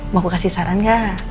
mau aku kasih saran kak